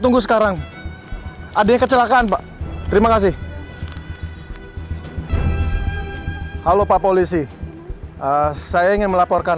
tunggu sekarang adanya kecelakaan pak terima kasih halo pak polisi saya ingin melaporkan